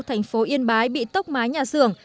thành phố yên bái bị tốc mái nhà xưởng